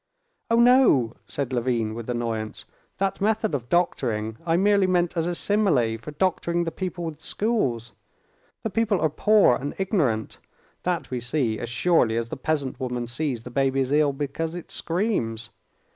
"Oh, no!" said Levin with annoyance; "that method of doctoring I merely meant as a simile for doctoring the people with schools. The people are poor and ignorant—that we see as surely as the peasant woman sees the baby is ill because it screams.